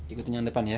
ikutin yang depan ya